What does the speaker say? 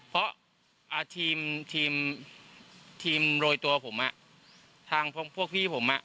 เพราะทีมโรยตัวผมทางพวกพี่ผม